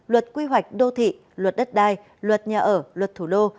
luật quy hoạch đô thị luật đất đai luật nhà ở luật thủ đô